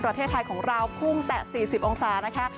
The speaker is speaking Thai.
ประเทศไทยของเราพุ่งแต่๔๐องศานะคะ